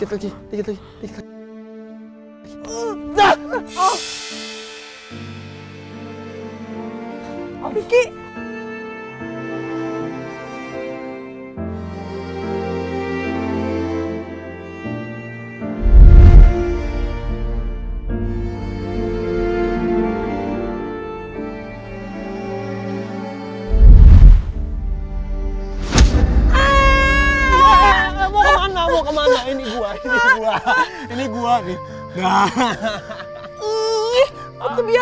sedikit lagi sedikit lagi